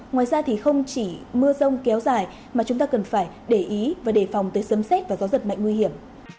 ngoài ra thì không chỉ mưa rông kéo dài mà chúng ta cần phải để ý và đề phòng tới sấm xét và gió giật mạnh nguy hiểm